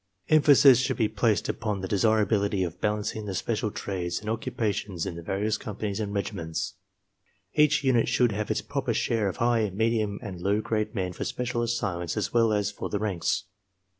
Emphasis should be placed upon the desirability of balancing 48 ARMY MENTAL TESTS the special trades and occupations in the various companies and regiments. Each unit should have its proper share of high, medium, and low grade men for special assignments as well as for the ranks.